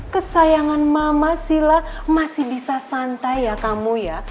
kesayangan mama sila masih bisa santai ya kamu ya